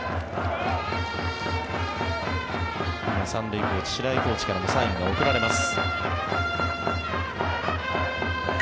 ３塁コーチ白井コーチからサインが送られます。